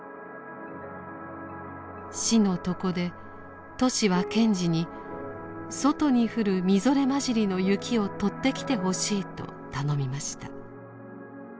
死の床でトシは賢治に外に降るみぞれまじりの雪を取ってきてほしいと頼みました。